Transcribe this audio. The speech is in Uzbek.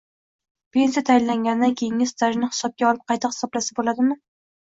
pensiya tayinlangandan keyingi stajni hisobga olib qayta hisoblasa bo‘ladimi?